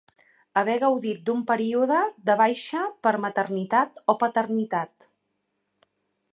Haver gaudit d'un període de baixa per maternitat o paternitat.